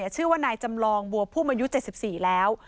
ชื่อว่านายจำลองบัวพุ่มอายุ๗๔แล้ว